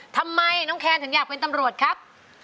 ทำไมน้องแคนถึงอยากเป็นตำรวจครับ